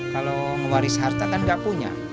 kalau ngewaris harta kan nggak punya